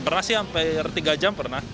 pernah sih hampir tiga jam pernah